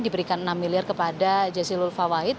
diberikan enam miliar kepada jazil ulfawait